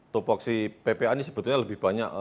tupoksi ppa ini sebetulnya lebih banyak